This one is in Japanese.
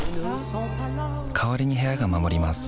代わりに部屋が守ります